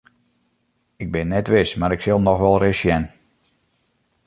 Ik bin net wis mar ik sil noch wolris sjen.